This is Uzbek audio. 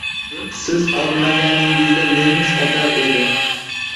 Siz otmaganingizda, nemis otar edi!